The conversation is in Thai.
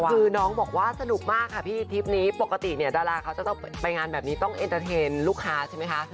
คือน้องบอกว่าสนุกมากค่ะพี่ทริปนี้ปกติเนี่ยดาราเขาจะต้องไปงานแบบนี้ต้องเอ็นเตอร์เทนลูกค้าใช่ไหมคะ